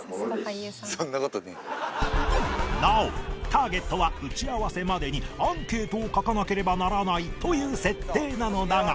なおターゲットは打ち合わせまでにアンケートを書かなければならないという設定なのだが